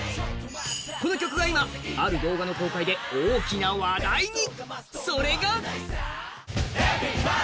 この曲が今、ある動画の公開で大きな話題に。